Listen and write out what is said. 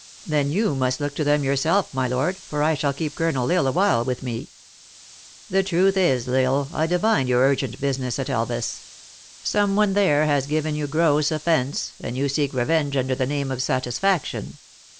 Then you must look to them yourself, my lord, for I shall keep Colonel L Isle a while with me. The truth is, L Isle, I divine your urgent business at Elvas. Some one there has given you gross offence, and you seek re venge under the name of satisfaction.